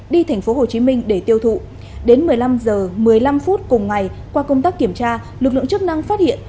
đến một mươi năm h một mươi năm phút cùng ngày qua công tác kiểm tra lực lượng chức năng phát hiện